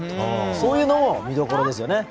そういうのも見どころですよね。